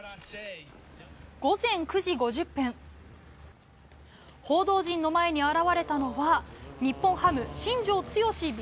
午前９時５０分報道陣の前に現れたのは日本ハム、新庄剛志